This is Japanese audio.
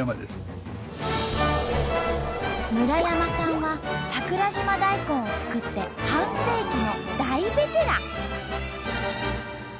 村山さんは桜島大根を作って半世紀の大ベテラン！